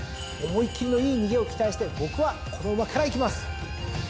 思い切りのいい逃げを期待して僕はこの馬からいきます！